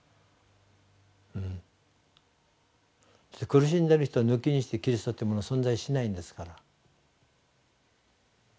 苦しんでる人を抜きにしてキリストというものは存在しないんですから。